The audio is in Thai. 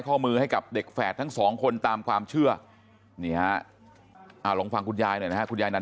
ข้อมือให้กับเด็กแฝดทั้ง๒คนตามความเชื่อลองฟังกูยายหน้า